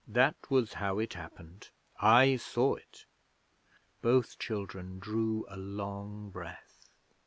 That was how it happened. I saw it.' Both children drew a long breath.